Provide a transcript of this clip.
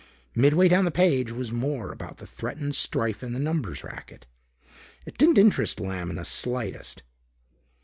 Midway down the page was more about the threatened strife in the numbers racket. It didn't interest Lamb in the slightest.